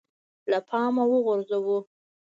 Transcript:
له پامه وغورځوو